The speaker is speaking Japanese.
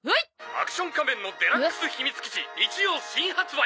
「アクション仮面のデラックス秘密基地日曜新発売！